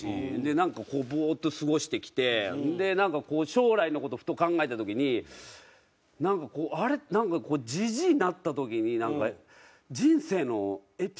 なんかこうぼーっと過ごしてきてなんかこう将来の事をふと考えた時になんかこうあれ？と思ったんですなんか。